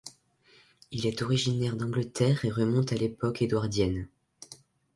Il est originaire d'Angleterre et remonte à l'époque édouardienne.